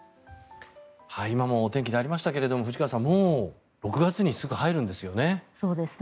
今もお天気でありましたが藤川さん、もう６月にすぐ入るんですよね。